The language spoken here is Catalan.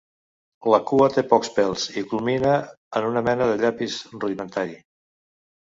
La cua té pocs pèls i culmina en una mena de llapis rudimentari.